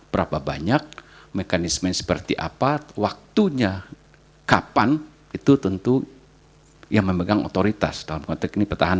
berapa banyak mekanisme seperti apa waktunya kapan itu tentu yang memegang otoritas dalam konteks ini petahana